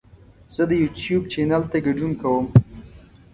زه د یوټیوب چینل ته ګډون کوم.